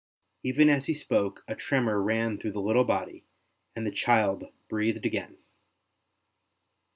Even as he spoke a tremor ran through the little body and the child breathed again.